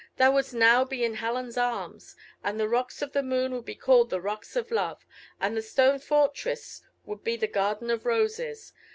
Thou wouldst now be in Helen's arms, and the Rocks of the Moon would be called the Rocks of Love, and the stone fortress would be the garden of roses.